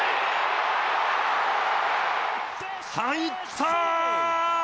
入った！